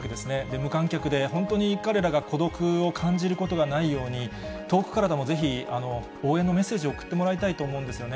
無観客で本当に彼らが孤独を感じることがないように、遠くからでもぜひ応援のメッセージを送ってもらいたいと思うんですよね。